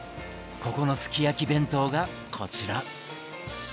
ここのすき焼き弁当がこちら。